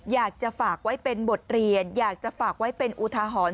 อยากจะฝากไว้เป็นบทเรียนอยากจะฝากไว้เป็นอุทาหรณ์